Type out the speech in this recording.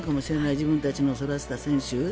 自分たちの育てた選手を。